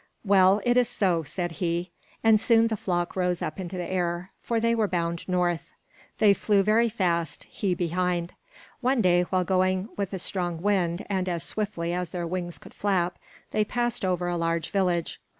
"Well, it is so," said he; and soon the flock rose up into the air, for they were bound north. They flew very fast he behind. One day, while going with a strong wind and as swiftly as their wings could flap, they passed over a large village.